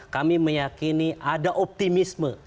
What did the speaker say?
kami meyakini ada optimisme